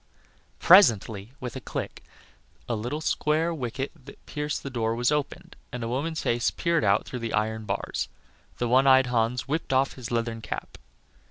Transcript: Presently, with a click, a little square wicket that pierced the door was opened, and a woman's face peered out through the iron bars. The one eyed Hans whipped off his leathern cap.